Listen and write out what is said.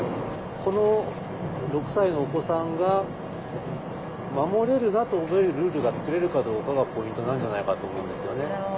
この６歳のお子さんが守れるなと思えるルールが作れるかどうかがポイントなんじゃないかと思うんですよね。